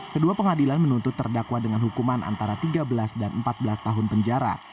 kedua pengadilan menuntut terdakwa dengan hukuman antara tiga belas dan empat belas tahun penjara